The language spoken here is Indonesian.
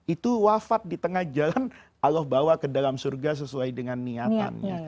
itu wafat di tengah jalan allah bawa ke dalam surga sesuai dengan niatannya